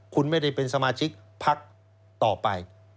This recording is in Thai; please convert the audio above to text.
คุณไม่ได้เป็นสมาชิกพักต่อไป